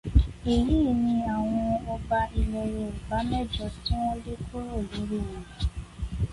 Èyí ni àwọn Ọba ilẹ̀ Yorùbá mẹ́jọ tí wọn lé kúrò lórí oyè.